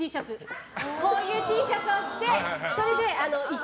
こういうＴシャツを着てそれで行く。